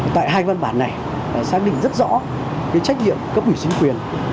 tại hai văn bản này xác định rất rõ trách nhiệm cấp ủy chính quyền